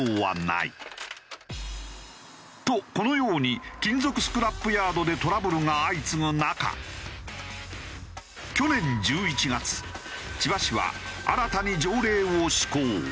とこのように金属スクラップヤードでトラブルが相次ぐ中去年１１月千葉市は新たに条例を施行。